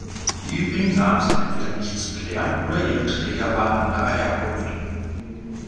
Die übrigen Namen sind entweder nicht zu klären oder ihre Träger waren anderer Herkunft.